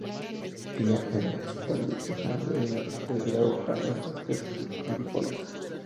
Cría en Escandinavia y el noreste de Europa, en los bosques caducifolios.